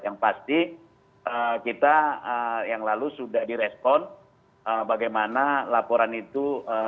yang pasti kita yang lalu sudah direspon bagaimana laporan itu